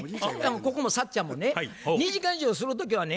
ここもサッちゃんもね「２時間以上する時はね